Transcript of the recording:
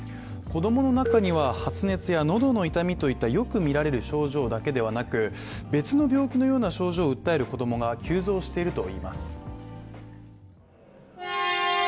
子供の中には発熱や喉の痛みといったよくみられる症状だけではなく別の病気のような症状を訴える子供が急増しているといいます。